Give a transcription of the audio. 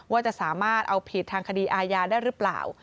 ว่าจะสามารถเอาผิดทางคดีอาญาได้หรือเปล่า